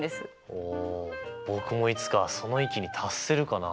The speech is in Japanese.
お僕もいつかその域に達せるかなあ？